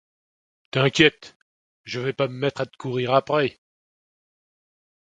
T’inquiète, je vais pas me mettre à te courir après…